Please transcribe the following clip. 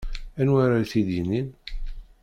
Anwa ara iyi-t-id-yinin?